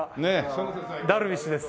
ダルビッシュです。